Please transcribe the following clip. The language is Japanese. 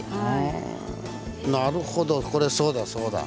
なるほどこれそうだそうだ。